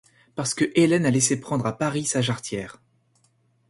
Parce que Hélène a laissé prendre à Pâris sa jarretière.